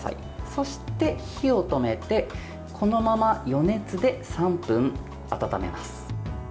そして、火を止めてこのまま余熱で３分温めます。